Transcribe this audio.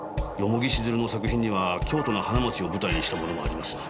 蓬城静流の作品には京都の花街を舞台にしたものもあります。